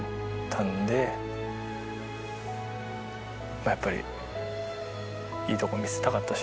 まあやっぱりいいところを見せたかったし。